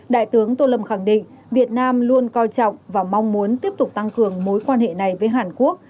đại tướng tô lâm khẳng định việt nam luôn coi trọng và mong muốn tiếp tục tăng cường mối quan hệ này với hàn quốc